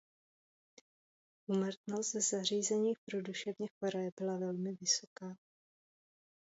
Úmrtnost v zařízeních pro duševně choré byla velmi vysoká.